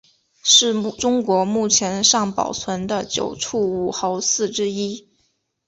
是中国目前尚保存的九处武侯祠之一。